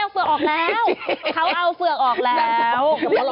อ๋อใช่เอาเฝือกออกแล้วเขาเอาเฝือกออกแล้ว